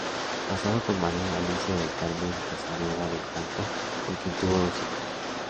Casado con María Alicia del Carmen Casanueva del Canto, con quien tuvo dos hijos.